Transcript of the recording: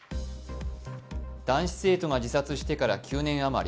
男子生徒が自殺してから９年余り。